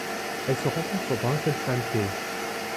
Elle se rencontre sur Drunkenmans Cay.